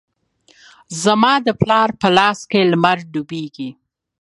زما د پلار په لاس کې لمر ډوبیږې